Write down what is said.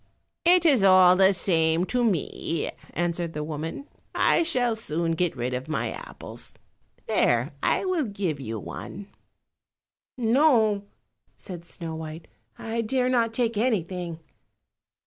"It is all the same to me," answered the woman, "I shall soon get rid of my apples. There, I will give you one." "No," said Snow white, "I dare not take anything."